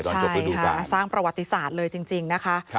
ใช่ค่ะสร้างประวัติศาสตร์เลยจริงนะคะ